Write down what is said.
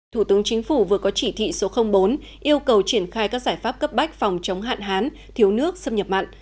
thủ tướng chính phủ vừa có chỉ thị số bốn yêu cầu triển khai các giải pháp cấp bách phòng chống hạn hán thiếu nước xâm nhập mặn